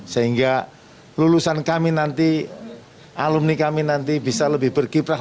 sehingga lulusan kami nanti alumni kami nanti bisa lebih berkiprah